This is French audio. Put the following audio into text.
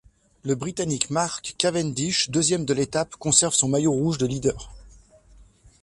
Le Brintannique Mark Cavendish, deuxième de l'étape conserve son maillot rouge de leader.